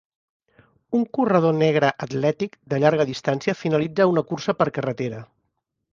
Un corredor negre atlètic de llarga distància finalitza una cursa per carretera